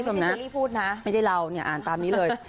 อันนี้ไม่ใช่เชลลี่พูดนะไม่ใช่เราอ่านตามนี้เลย